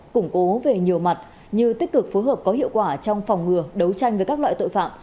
củng cố về nhiều mặt như tích cực phối hợp có hiệu quả trong phòng ngừa đấu tranh với các loại tội phạm